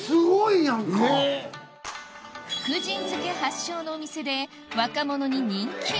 福神漬発祥のお店で若者に人気！